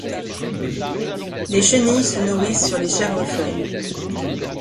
Les chenilles se nourrissent sur les Chèvrefeuilles.